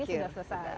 ini sudah selesai